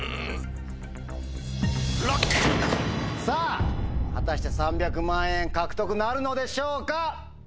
さぁ果たして３００万円獲得なるのでしょうか？